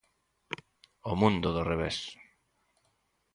O mundo do revés.